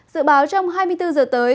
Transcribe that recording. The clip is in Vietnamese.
sự báo trong hai mươi bốn h tới